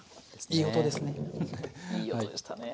いい音でしたね。